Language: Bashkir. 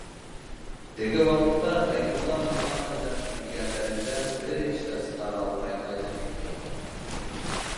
Теге ваҡытта Ғәйнулла мулла менән килгәндәрендә бер эш тә сығара алмай ҡайтып киткәйнеләр.